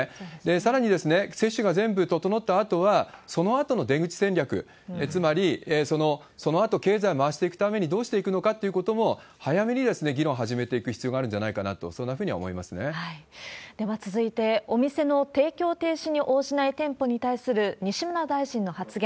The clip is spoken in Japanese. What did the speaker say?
さらに、接種が全部整ったあとは、そのあとの出口戦略、つまり、そのあと経済回していくためにどうしていくのかっていうことも、早めに議論を始めていく必要があるんじゃないかなと、では続いて、お店の提供停止に応じない店舗に対する西村大臣の発言。